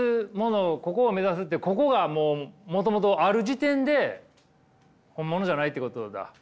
ここを目指すってここがもうもともとある時点で本物じゃないってことだ。